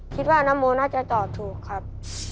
คิดว่าน้ำโมน่าจะตอบถูกครับ